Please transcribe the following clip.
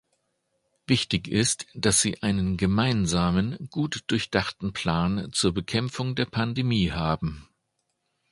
Wichtig ist, dass Sie einen gemeinsamen, gut durchdachten Plan zur Bekämpfung der Pandemie haben.